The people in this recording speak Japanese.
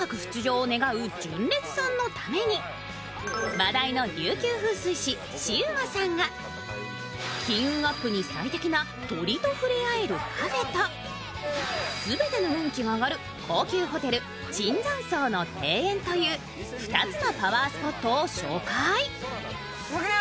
話題の琉球風水志・シウマさんが金運アップに最適な鳥と触れ合えるカフェと全ての運気が上がる高級ホテル、椿山荘の庭園という２つのパワースポットを紹介。